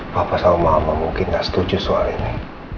papa sama mama mungkin gak setuju soal ini